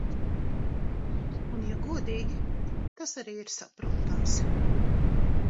Un ja godīgi, tas ir arī saprotams.